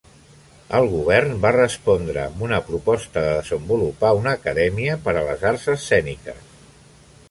El govern va respondre amb una proposta de desenvolupar una acadèmia per a les arts escèniques.